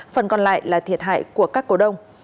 phần còn lại là thiệt hại của các cổ đông